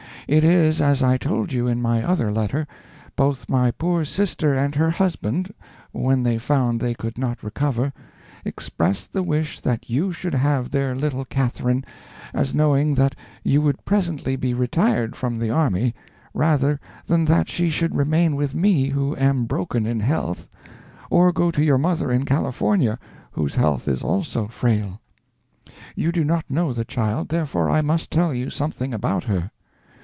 It is as I told you in my other letter: both my poor sister and her husband, when they found they could not recover, expressed the wish that you should have their little Catherine—as knowing that you would presently be retired from the army—rather than that she should remain with me, who am broken in health, or go to your mother in California, whose health is also frail. You do not know the child, therefore I must tell you something about her.